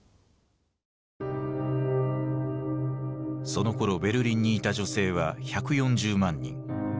そのころベルリンにいた女性は１４０万人。